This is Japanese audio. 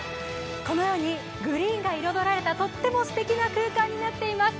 このように、グリーンが彩られた、とてもすてきな空間になっています。